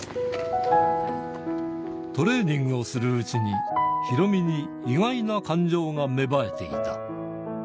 トレーニングをするうちに、ヒロミに意外な感情が芽生えていた。